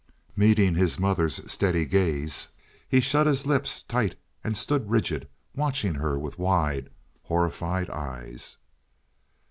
Meeting his mother's steady gaze he shut his lips tight, and stood rigid, watching her with wide, horrified eyes.